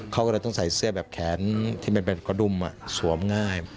เขาก็เลยต้องใส่เสื้อแบบแขนที่มันเป็นกระดุมสวมง่าย